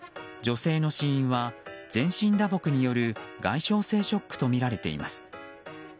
女性の死因は全身打撲による外傷性ショックとみられています。